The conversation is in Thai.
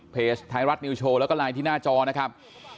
ไทยรัฐนิวโชว์แล้วก็ไลน์ที่หน้าจอนะครับ